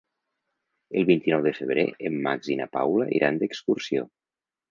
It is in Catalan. El vint-i-nou de febrer en Max i na Paula iran d'excursió.